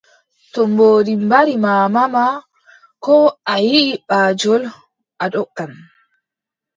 To mboodi mbari maama ma, koo a yiʼi baajol, a doggan.